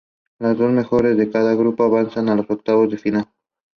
Their descendants include jazz singer George Melly and the actress Andree Melly.